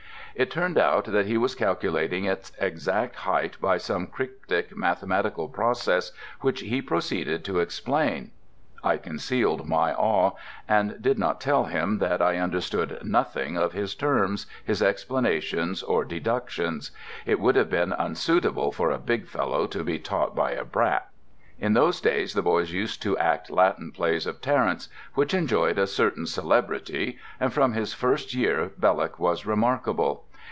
It turned out that he was calculating its exact height by some cryptic mathematical process which he proceeded to explain. I concealed my awe, and did not tell him that I understood nothing of his terms, his explanations, or deductions; it would have been unsuitable for a big fellow to be taught by a 'brat.' In those days the boys used to act Latin plays of Terence, which enjoyed a certain celebrity, and from his first year Belloc was remarkable.